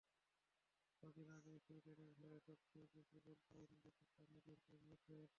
কদিন আগেই সুইডেনের হয়ে সবচেয়ে বেশি গোল করার রেকর্ডটা নিজের করে নিয়েছেন।